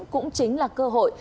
cũng chính là cơ hội